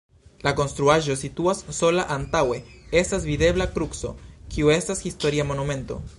La konstruaĵo situas sola, antaŭe estas videbla kruco, kiu estas historia monumento.